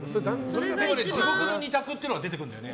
地獄の２択っていうのが出てくるんだよね。